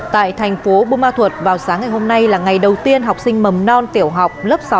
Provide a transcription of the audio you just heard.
tại thành phố bù ma thuật vào sáng ngày hôm nay là ngày đầu tiên học sinh mầm non tiểu học lớp sáu